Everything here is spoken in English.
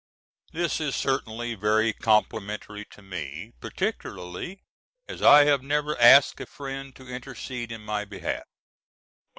This is certainly very complimentary to me, particularly as I have never asked a friend to intercede in my behalf.